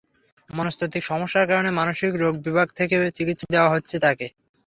মনস্তাত্ত্বিক সমস্যার কারণে মানসিক রোগ বিভাগ থেকেও চিকিৎসা দেওয়া হচ্ছে তাকে।